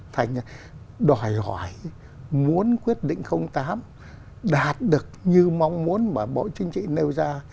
thành đòi hỏi muốn quyết định tám đạt được như mong muốn mà bộ chính trị nêu ra